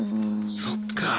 そっか。